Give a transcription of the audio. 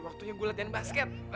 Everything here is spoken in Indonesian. waktunya gue latihan basket